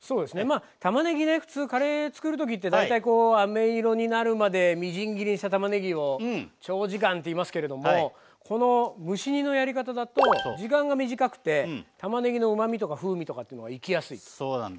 たまねぎね普通カレーつくる時って大体あめ色になるまでみじん切りにしたたまねぎを長時間って言いますけれどもこの蒸し煮のやり方だと時間が短くてたまねぎのうまみとか風味とかってのが生きやすいということですね。